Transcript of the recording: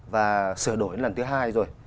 và sửa đổi lần thứ hai rồi